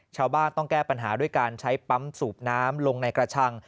ชาวบ้านต้องแก้ปัญหาด้วยการใช้ปั๊มสูบน้ำลงในกระชัง